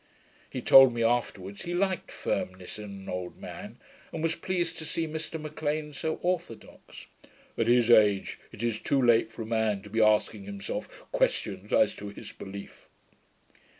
He told me afterwards, he liked firmness in an old man, and was pleased to see Mr M'Lean so orthodox. 'At his age, it is too late for a man to be asking himself questions as to his belief.'